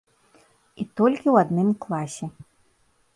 І толькі ў адным класе.